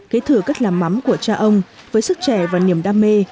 kế thừa cách làm mắm của cha ông với sức trẻ và niềm đam mê